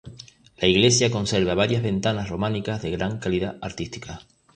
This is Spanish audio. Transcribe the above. La iglesia conserva varias ventanas románicas de gran calidad artística.